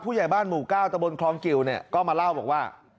ผู้ใหญ่บ้านหมู่ก้าวตะบนคลองกิวก็มาเล่าบอกว่า